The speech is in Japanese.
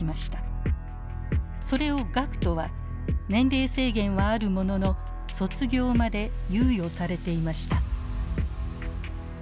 それを学徒は年齢制限はあるものの卒業まで猶予されていました。